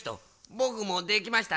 ぼくもできました。